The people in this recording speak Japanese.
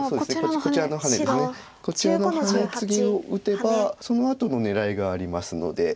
こちらのハネツギを打てばそのあとの狙いがありますので。